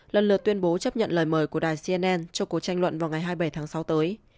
lần lượt tuyên bố chấp nhận lời mời của đài cnn cho cuộc tranh luận vào ngày hai mươi bảy tháng sáu tới